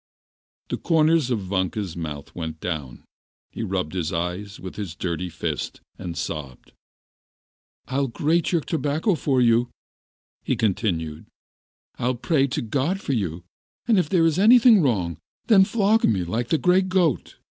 The corners of Vanka's mouth went down, he rubbed his eyes with his dirty fist, and sobbed. "I'll grate your tobacco for you," he continued, "I'll pray to God for you, and if there is anything wrong, then flog me like the grey goat.